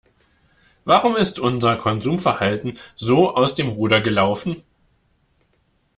Warum ist unser Konsumverhalten so aus dem Ruder gelaufen?